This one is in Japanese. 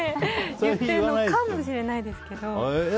言ってるのかもしれないですけど。